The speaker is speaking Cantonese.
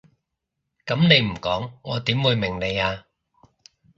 噉你唔講我點會明你啊？